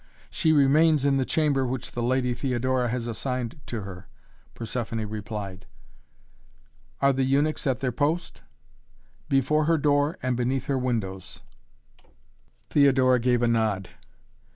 "She remains in the chamber which the Lady Theodora has assigned to her." Persephoné replied. "Are the eunuchs at their post?" "Before her door and beneath her windows." Theodora gave a nod.